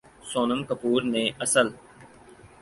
سونم کپور نے اسل